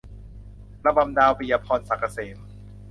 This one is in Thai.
ระบำดาว - ปิยะพร ศักดิ์เกษม